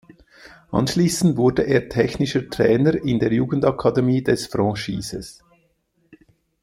Anschließend wurde er Technischer Trainer in der Jugendakademie des Franchises.